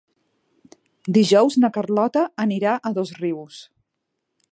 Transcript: Dijous na Carlota anirà a Dosrius.